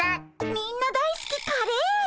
みんな大すきカレー味